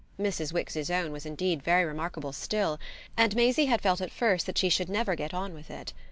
Mrs. Wix's own was indeed very remarkable still, and Maisie had felt at first that she should never get on with it.